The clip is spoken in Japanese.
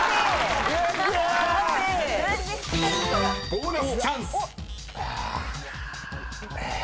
［ボーナスチャンス！］